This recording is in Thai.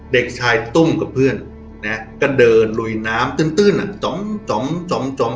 เด็กชายตุ้มกับเพื่อนเนี่ยก็เดินลุยน้ำตื่นอะจำจำจำจำ